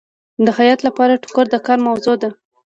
د خیاط لپاره ټوکر د کار موضوع ده.